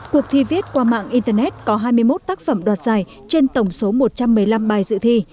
cuộc thi viết qua mạng internet có hai mươi một tác phẩm đoạt giải trên tổng số một trăm một mươi năm bài dự thi